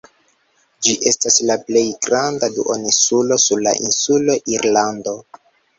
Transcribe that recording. Ĝi estas la plej granda duoninsulo sur la insulo Irlando.